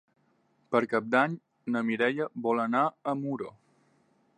Per Cap d'Any na Mireia vol anar a Muro.